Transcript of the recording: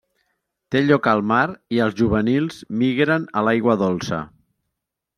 Té lloc al mar i els juvenils migren a l'aigua dolça.